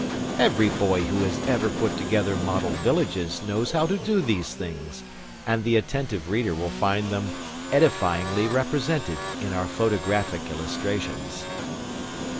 Every boy who has ever put together model villages knows how to do these things, and the attentive reader will find them edifyingly represented in our photographic illustrations.